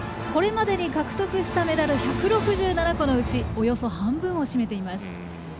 これまでに獲得したメダル１６７個のうちおよそ半分を占めています。